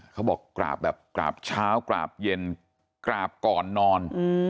เขาบอกกราบแบบกราบเช้ากราบเย็นกราบก่อนนอน